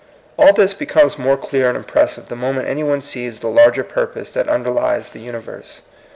All this becomes more clear and impres sive the moment any one sees the larger purpose that underlies the universe.